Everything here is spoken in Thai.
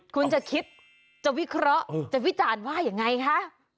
คุณจะคิดจะวิเคราะห์จะวิจารณ์ว่ายังไงคะ